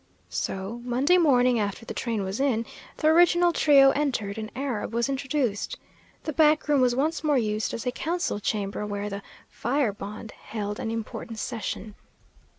So Monday morning after the train was in, the original trio entered, and Arab was introduced. The back room was once more used as a council chamber where the "Fierbund" held an important session.